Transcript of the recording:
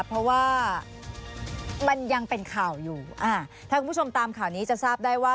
เพราะว่ามันยังเป็นข่าวอยู่อ่าถ้าคุณผู้ชมตามข่าวนี้จะทราบได้ว่า